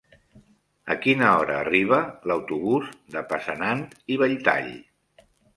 A quina hora arriba l'autobús de Passanant i Belltall?